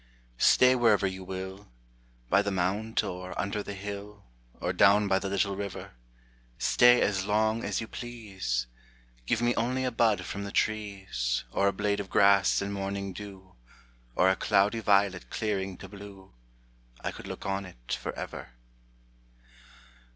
Stay wherever you will, By the mount or under the hill, Or down by the little river: Stay as long as you please, Give me only a bud from the trees, Or a blade of grass in morning dew, Or a cloudy violet clearing to blue, I could look on it forever.